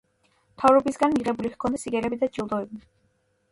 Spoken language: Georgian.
მთავრობისაგან მიღებული ჰქონდა სიგელები და ჯილდოები.